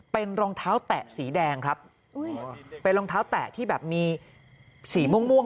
เป็นรองเท้าแตะสีแดงครับเป็นรองเท้าแตะที่แบบมีสีม่วงม่วง